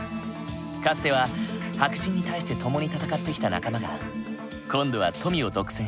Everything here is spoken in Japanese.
かつては白人に対して共に闘ってきた仲間が今度は富を独占している。